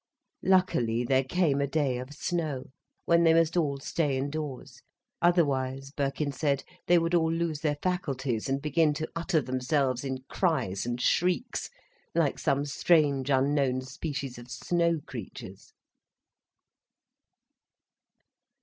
Luckily there came a day of snow, when they must all stay indoors: otherwise Birkin said, they would all lose their faculties, and begin to utter themselves in cries and shrieks, like some strange, unknown species of snow creatures.